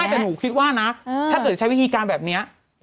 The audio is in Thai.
แต่หนูคิดว่านะถ้าเกิดใช้วิธีการแบบนี้